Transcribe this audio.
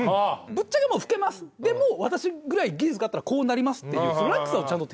ぶっちゃけ老けますでも私ぐらい技術があったらこうなりますっていう。